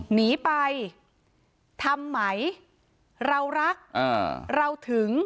หนีไปทำไหมเรารักอ่าเราถึง